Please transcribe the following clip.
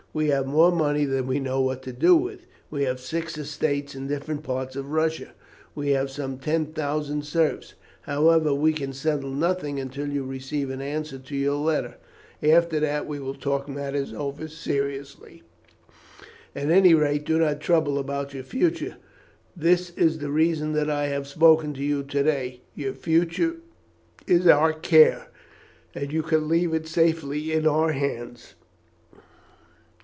We have more money than we know what to do with. We have six estates in different parts of Russia. We have some ten thousand serfs. However, we can settle nothing until you receive an answer to your letter; after that we will talk matters over seriously. At any rate, do not trouble about your future. This is the reason that I have spoken to you to day. Your future is our care, and you can leave it safely in our hands."